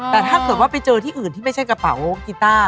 แต่ถ้าเกิดว่าไปเจอที่อื่นที่ไม่ใช่กระเป๋ากีต้า